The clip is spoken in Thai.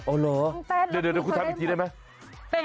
โอโหเดี๋ยวสับอีกทีได้ไหมเป็นอย่างไรเหมือนไหม